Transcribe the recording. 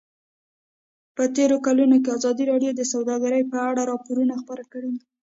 په تېرو کلونو کې ازادي راډیو د سوداګري په اړه راپورونه خپاره کړي دي.